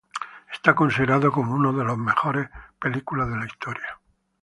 Es considerada como una de las mejores películas de la historia.